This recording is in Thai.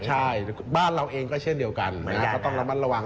ใช่บ้านเราเองก็เช่นเดียวกันก็ต้องระวัง